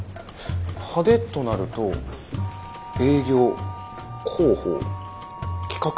派手となると営業広報企画部。